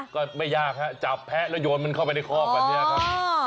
ก็ไม่ยากฮะจับแพ้แล้วโยนมันเข้าไปในคอกแบบนี้ครับ